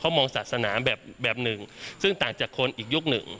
มองศาสนาแบบหนึ่งซึ่งต่างจากคนอีกยุคหนึ่ง